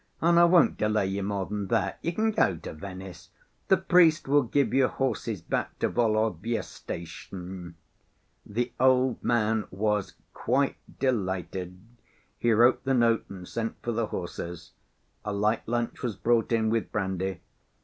And I won't delay you more than that. You can go to Venice. The priest will give you horses back to Volovya station." The old man was quite delighted. He wrote the note, and sent for the horses. A light lunch was brought in, with brandy.